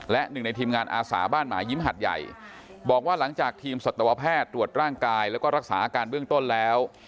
และหนึ่งในทีมงานอาสาบ้านหมายิ้มหัดใหญ่บอกว่าหลังจากทีมสัตวแพทย์ตรวจร่างกายแล้วก็รักษาอาการเบื้องต้นแล้ว